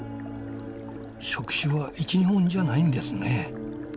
触手は１２本じゃないんですね。